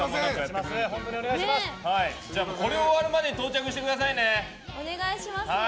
これ終わるまでに到着してくださいね。